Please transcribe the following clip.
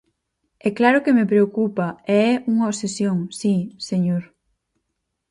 E claro que me preocupa e é unha obsesión, si, señor.